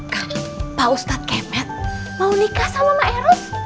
kak pak ustadz kemet mau nikah sama ma'erus